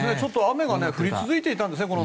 雨が降り続いていたんですね